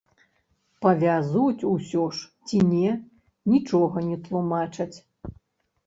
Павязуць усё ж ці не, нічога не тлумачаць.